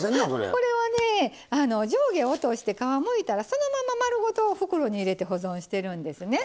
これはね上下落として皮むいたらそのまま丸ごと袋に入れて保存してるんですね。